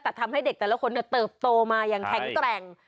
แต่ทำให้เด็กแต่ละคนเติบโตมาอย่างแข็งแกร่ง